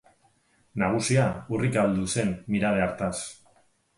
Nagusia urrikaldu zen mirabe hartaz.